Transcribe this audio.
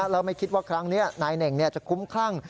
แล้วไม่คิดว่าครั้งนี้นายเหน่งจะคุ้มคลั่ง